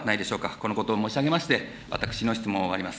このことを申し上げまして、私の質問を終わります。